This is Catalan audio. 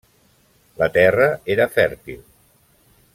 La terra era fèrtil.